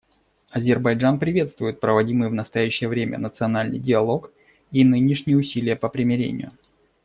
Азербайджан приветствует проводимый в настоящее время национальный диалог и нынешние усилия по примирению.